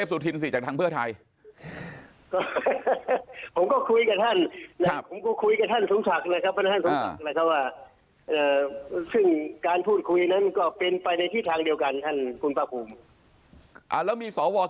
สุทธวทัยก็พักเพือไทยทั้งกลางวัด